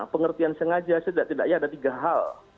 pengertian sengaja setidak tidaknya ada tiga hal